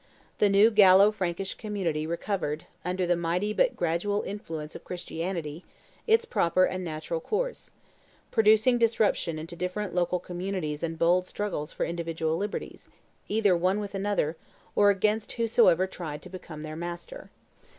The new Gallo Frankish community recovered, under the mighty but gradual influence of Christianity, its proper and natural course, producing disruption into different local communities and bold struggles for individual liberties, either one with another, or against whosoever tried to become their master.